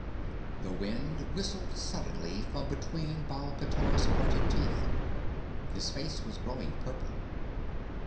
The wind whistled suddenly from between Baal pteor's parted teeth. His face was growing purple.